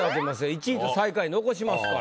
１位と最下位残しますから。